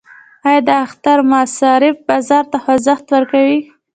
آیا د اختر مصارف بازار ته خوځښت ورکوي؟